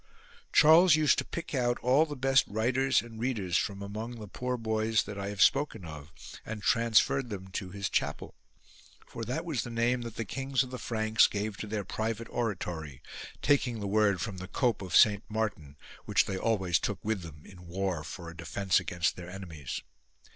4. Charles used to pick out all the best writers and readers from among the poor boys that I have spoken of and transferred them to his chapel ; for that was the name that the kings of the Franks gave to their private oratory, taking the word from the cope of St Martin, which they always took with them in war for a defence against their enemies.